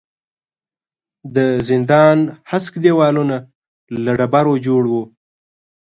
د زندان هسک دېوالونه له ډبرو جوړ وو.